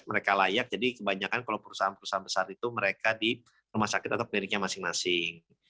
mereka layak jadi kebanyakan kalau perusahaan perusahaan besar itu mereka di rumah sakit atau kliniknya masing masing